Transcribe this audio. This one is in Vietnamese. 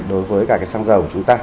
đối với cả cái xăng dầu của chúng ta